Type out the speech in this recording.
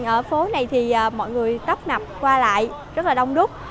ở phố này thì mọi người tấp nập qua lại rất là đông đúc